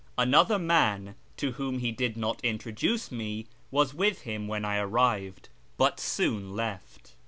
Another man, to whom he did not introduce me, was with him when I arrived, but soon left.